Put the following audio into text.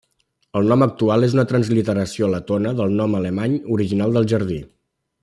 El nom actual és una transliteració letona del nom alemany original del jardí.